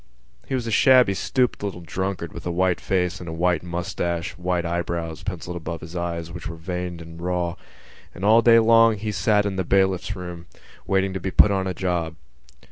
He was a shabby stooped little drunkard with a white face and a white moustache and white eyebrows, pencilled above his little eyes, which were pink veined and raw; and all day long he sat in the bailiff's room, waiting to be put on a job.